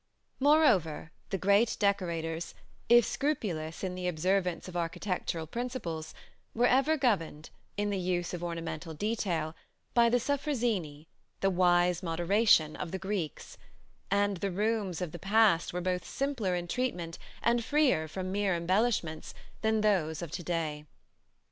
Moreover, the great decorators, if scrupulous in the observance of architectural principles, were ever governed, in the use of ornamental detail, by the [Greek: sôphrosynê], the "wise moderation," of the Greeks; and the rooms of the past were both simpler in treatment and freer from mere embellishments than those of to day.